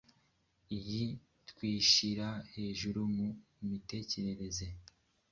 Iyo twishyira hejuru mu mitekerereze